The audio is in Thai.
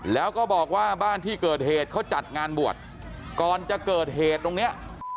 แล้วก็บอกว่าบ้านที่เกิดเหตุเขาจัดงานบวชก่อนจะเกิดเหตุตรงเนี้ย